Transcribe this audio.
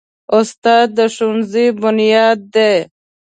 استاد د ښوونځي بنیاد دی.